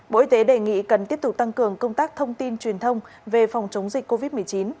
bộ y tế đề nghị cần tiếp tục tăng cường công tác thông tin truyền thông về phòng chống dịch covid một mươi chín